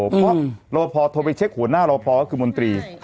เพราะรอพอโทรไปเช็คหัวหน้ารอพอก็คือมนตรี